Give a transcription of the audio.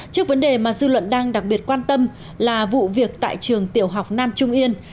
trước vấn đề mà dư luận đang đặc biệt quan tâm là vụ việc tại trường tiểu học nam trung yên